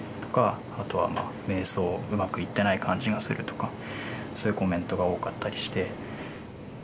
あとはまあ瞑想うまくいってない感じがするとかそういうコメントが多かったりして。